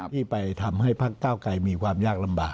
ที่ไปทำให้ภาคก้าวกลายมีความยากลำบาก